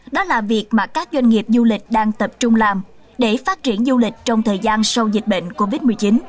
đó là việc mà các doanh nghiệp du lịch đang tập trung làm để phát triển du lịch trong thời gian sau dịch bệnh covid một mươi chín